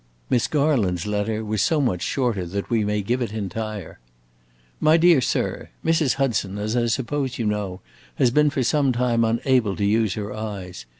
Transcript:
Miss Garland's letter was so much shorter that we may give it entire: My dear Sir, Mrs. Hudson, as I suppose you know, has been for some time unable to use her eyes.